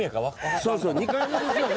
そうそう２回目ですよね。